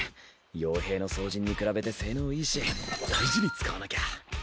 傭兵の双刃に比べて性能いいし大事に使わなきゃ。